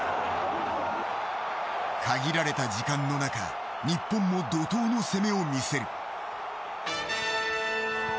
限られた時間の中日本も怒涛の攻めを見せる。